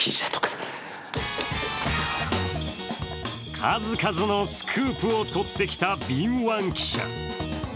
数々のスクープをとってきた敏腕記者。